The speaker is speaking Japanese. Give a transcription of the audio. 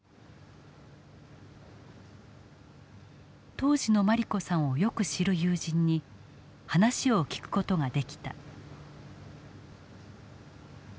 当時の茉莉子さんをよく知る友人に話を聞く事ができた。